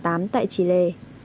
tại trì lê